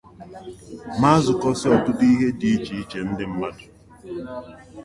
ma zukọsịa ọtụtụ ihe dị icheiche ndị mmadụ.